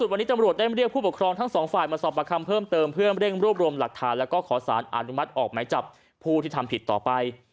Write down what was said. วันนี้ตำรวจได้เรียกผู้ปกครองทั้งสองฝ่ายมาสอบประคำเพิ่มเติมเพื่อเร่งรวบรวมหลักฐานแล้วก็ขอสารอนุมัติออกหมายจับผู้ที่ทำผิดต่อไป